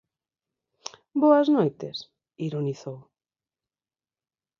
"Boas noites", ironizou.